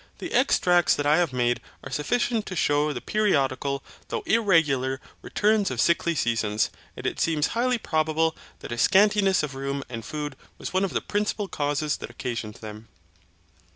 The extracts that I have made are sufficient to shew the periodical, though irregular, returns of sickly seasons, and it seems highly probable that a scantiness of room and food was one of the principal causes that occasioned them.